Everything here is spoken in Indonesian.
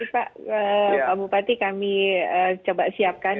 pak bupati kami coba siapkan